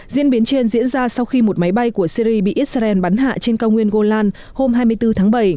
diễn biến trên diễn ra sau khi một máy bay của syri bị israel bắn hạ trên cao nguyên golan hôm hai mươi bốn tháng bảy